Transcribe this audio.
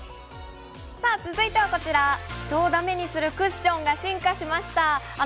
さあ続いてはこちら、人をダメにするクッションが進化しました。